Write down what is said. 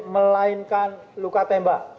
melainkan luka tembak